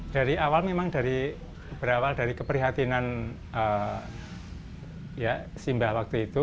dari awal memang dari keprihatinan simbah waktu itu